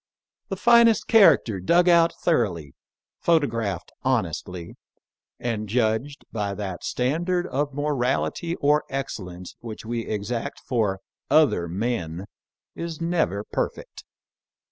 The finest character dug out thoroughly, photographed hon estly, and judged by that standard of morality or excellence which we exact for other men is never perfect.